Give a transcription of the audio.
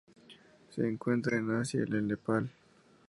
Se encuentran en Asia: el Nepal.